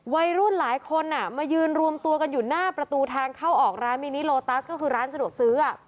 วัยรุ่นหลายคนมายืนรวมตัวกันอยู่หน้าประตูทางเข้าออกร้านมินิโลตัสก็คือร้านสะดวกซื้อ